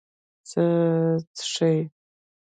څه څښې؟